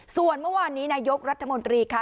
ส่วนเมื่อวานนี้นายกรัฐมนตรีค่ะ